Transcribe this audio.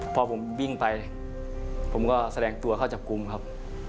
พอผมวิ่งไปผมก็แสดงตัวเข้าจับกลุ่มครับ